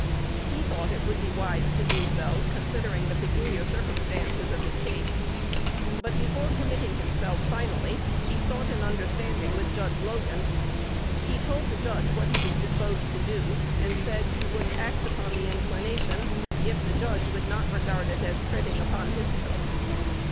He thought it would be wise to do so, considering the peculiar circumstances of his case; but, before committing himself finally, he sought an understanding with Judge Logan. He told the judge what he was disposed to do, and said he would act upon the inclination, if the judge would not regard it as "treading upon his toes."